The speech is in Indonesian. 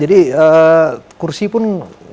jadi kursi pun nggak ada